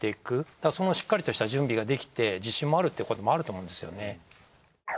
だからそのしっかりとした準備ができて自信もあるっていうこともあると思うんですよね。